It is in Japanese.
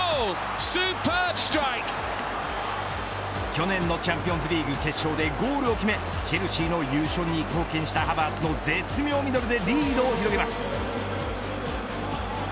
去年のチャンピオンズリーグ決勝でゴールを決めチェルシーの優勝に貢献したハヴァーツの絶妙ミドルでリードを広げます。